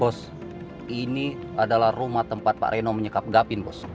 bos ini adalah rumah tempat pak reno menyekap gapin bos